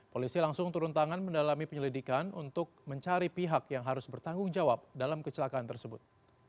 polisi langsung turun tangan mendalami penyelidikan untuk mencari pihak yang harus bertanggung jawab dalam kecelakaan tersebut